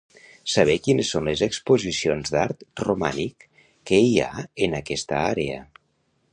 Saber quines són les exposicions d'art romànic que hi ha en aquesta àrea.